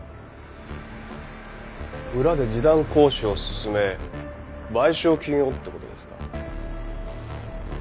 裏で示談交渉を進め賠償金をって事ですか？